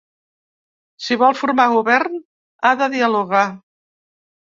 Si vol formar govern, ha de dialogar.